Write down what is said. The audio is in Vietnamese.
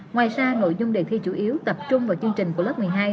ngoài ra nội dung đề thi chủ yếu tập trung vào chương trình của lớp một mươi hai